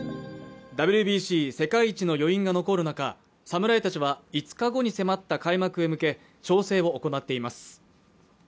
ＷＢＣ世界一の余韻が残る中、侍たちは５日後に迫った開幕へ向け調整を行っています。